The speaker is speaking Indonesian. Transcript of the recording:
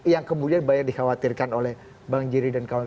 yang kemudian banyak dikhawatirkan oleh bang jerry dan kawan